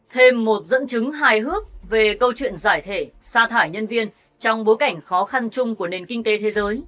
thêm một dẫn chứng hài hước về câu chuyện giải thể xa thải nhân viên trong bối cảnh khó khăn chung của nền kinh tế thế giới